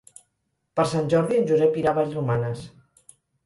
Per Sant Jordi en Josep irà a Vallromanes.